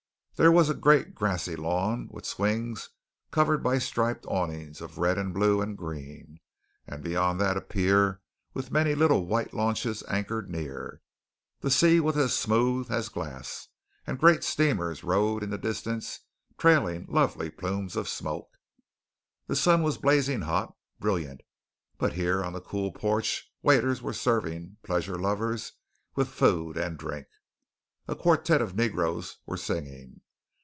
There was a great grassy lawn with swings covered by striped awnings of red and blue and green, and beyond that a pier with many little white launches anchored near. The sea was as smooth as glass and great steamers rode in the distance trailing lovely plumes of smoke. The sun was blazing hot, brilliant, but here on the cool porch waiters were serving pleasure lovers with food and drink. A quartette of negroes were singing.